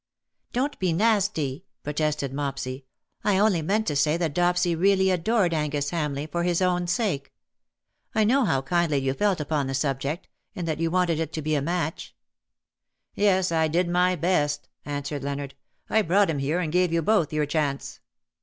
''" Don't be nasty/' protested Mopsy. " I only meant to say that Dopsy really adored Angus Hamleigh for his own sake. I know how kindly you felt upon the subject — and that you wanted it to be a match." " "Yes, I did my best/' answered Leonard. " I brought him here, and gave you both your chance."